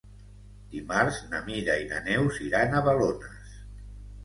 Dimarts na Mira i na Neus iran a Balones.